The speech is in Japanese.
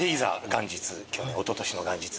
元日おととしの元日。